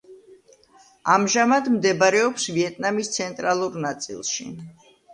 ამჟამად მდებარეობს ვიეტნამის ცენტრალურ ნაწილში.